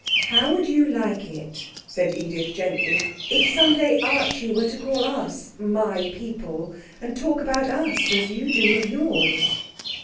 'How would you like it,' said Edith gently, 'if some day Archie were to call us my people, and talk about us as you do of yours?'